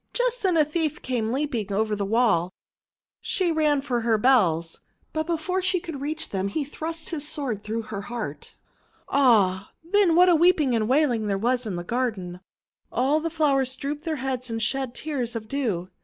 Just then a thief came leap ing over the wall. She ran for her bells, but 116 THE WONDER GARDEN before she could reach them he thrust his sword through her heart. Ah! then what weeping and wailing there was in the garden! All the flowers drooped their heads and shed tears of dew.